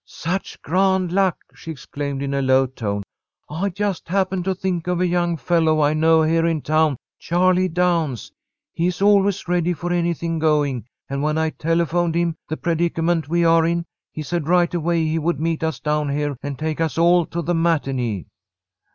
"Such grand luck!" she exclaimed, in a low tone. "I just happened to think of a young fellow I know here in town Charlie Downs. He is always ready for anything going, and, when I telephoned him the predicament we are in, he said right away he would meet us down here and take us all to the matinée."